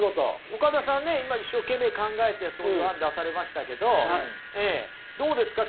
岡田さんね今一生懸命考えてそういう案出されましたけどどうですか？